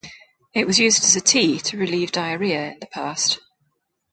It was used as a tea to relieve diarrhea in the past.